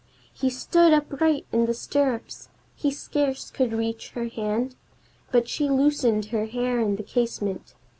He stood upright in the stirrups; he scarce could reach her hand, But she loosened her hair in the casement!